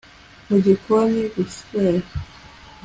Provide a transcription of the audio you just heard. mu gikoni, guswera